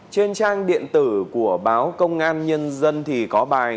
trên trang điện tử của báo công an nhân dân thì có bài